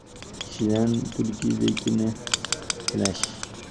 Kishidan tulkitillilikni tilash —